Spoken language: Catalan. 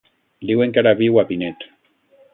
Diuen que ara viu a Pinet.